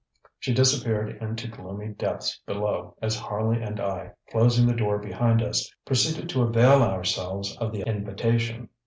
ŌĆØ She disappeared into gloomy depths below as Harley and I, closing the door behind us, proceeded to avail ourselves of the invitation.